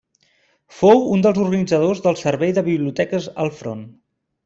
Fou un dels organitzadors del Servei de Biblioteques al Front.